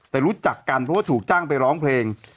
แต่รู้จักกันเพราะว่าถูกจ้างไปร้องเพลง